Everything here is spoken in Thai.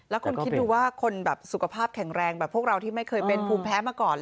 แล้วคุณคิดดูว่าคนแบบสุขภาพแข็งแรงแบบพวกเราที่ไม่เคยเป็นภูมิแพ้มาก่อน